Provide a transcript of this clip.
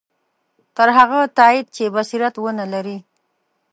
تر هغه تایید چې بصیرت ونه لري.